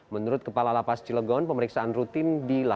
menurut kepala lapas cilegon pemeriksaan rutin dilakukan